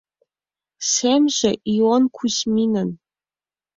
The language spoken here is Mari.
Семже Ион Кузьминын